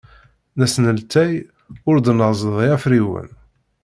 Nesneltay ur d-neẓḍi afriwen.